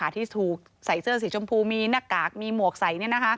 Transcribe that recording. ที่ถูกใส่เสื้อสีชมพูมีหน้ากากมีหมวกใส่